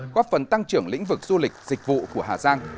góp phần tăng trưởng lĩnh vực du lịch dịch vụ của hà giang